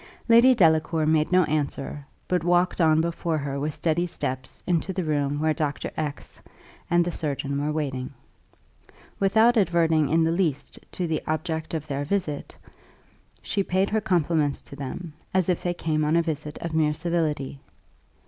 Lady Delacour made no answer, but walked on before her with steady steps into the room where Dr. X and the surgeon were waiting. Without adverting in the least to the object of their visit, she paid her compliments to them, as if they came on a visit of mere civility.